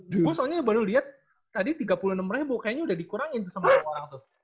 ibu soalnya baru lihat tadi tiga puluh enam ribu kayaknya udah dikurangin tuh sama orang tuh